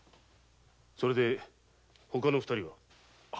それで外の２人は？